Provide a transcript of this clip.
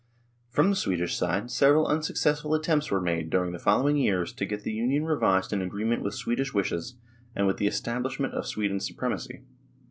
From the Swedish side several unsuccessful attempts were made during the following years to get the Union revised in agreement with Swedish wishes and with the establishment of Sweden's supremacy.